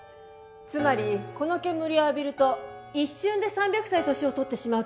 つまりこの煙を浴びると一瞬で３００歳年を取ってしまうという訳です。